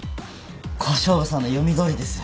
小勝負さんの読みどおりです。